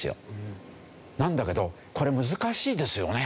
なんだけどこれ難しいですよね。